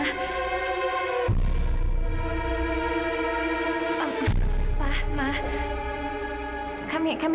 oh tuhan kami bahkan cari